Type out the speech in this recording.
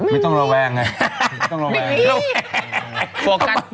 ไม่ต้องระแวงไง